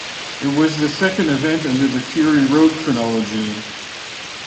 It was the second event under the Fury Road chronology.